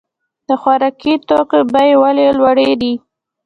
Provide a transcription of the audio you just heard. د خوراکي توکو بیې ولې لوړې دي؟